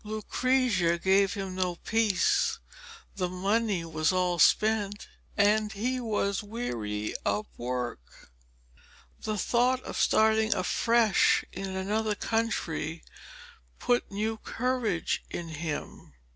Lucrezia gave him no peace, the money was all spent, and he was weary of work. The thought of starting afresh in another country put new courage into him.